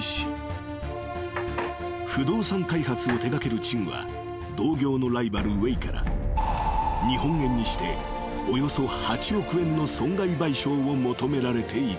［不動産開発を手掛けるチンは同業のライバルウェイから日本円にしておよそ８億円の損害賠償を求められていた］